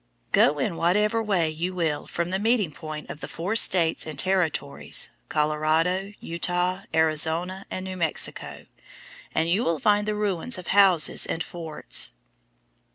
Go in whatever way you will from the meeting point of the four states and territories, Colorado, Utah, Arizona, and New Mexico, and you will find the ruins of houses and forts.